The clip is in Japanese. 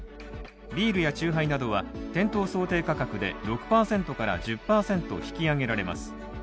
ビールやチューハイなどは店頭想定価格で６％から１０％引き上げられます。